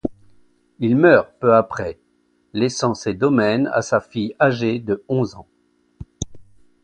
Il meurt peu après, laissant ses domaines à sa fille âgée de onze ans.